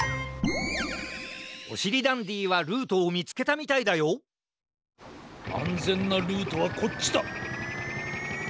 おしりダンディはルートをみつけたみたいだよあんぜんなルートはこっちだ！